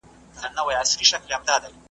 منتظر مي د هغه نسیم رویبار یم ,